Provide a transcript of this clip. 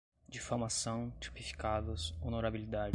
difamação, tipificados, honorabilidade